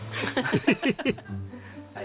ヘヘヘヘ。